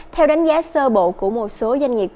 theo đánh giá sơ bộ của một số doanh nghiệp